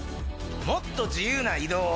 もっと自由な移動を。